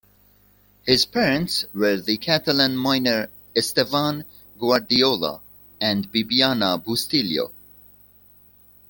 His parents were the Catalan miner Esteban Guardiola and Bibiana Bustillo.